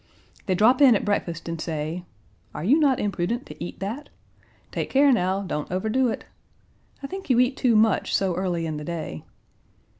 They drop in at breakfast and say, 'Are you not imprudent to eat that?' 'Take care now, don't overdo it.' 'I think you eat too much so early in the day.'